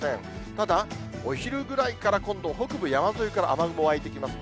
ただ、お昼ぐらいから今度、北部山沿いから雨雲湧いてきます。